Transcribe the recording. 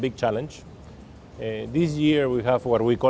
kekuatan perang di wilayah negara sudah meningkat